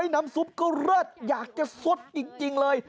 น้ำซุปก็เลิศอยากจะสดจริงเลย